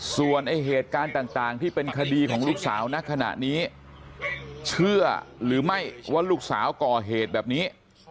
ส่วนไอ้เหตุการณ์ต่างที่เป็นคดีของลูกสาวณขณะนี้เชื่อหรือไม่ว่าลูกสาวก่อเหตุแบบนี้